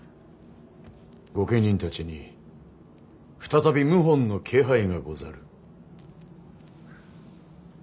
御家人たちに再び謀反の気配がござる。